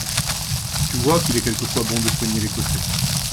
Tu vois qu’il est quelquefois bon de soigner les cochers.